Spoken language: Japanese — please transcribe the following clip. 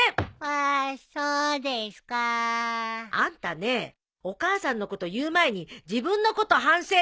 あそうですか。あんたねお母さんのこと言う前に自分のこと反省。